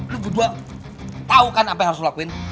lo berdua tau kan apa yang harus lo lakuin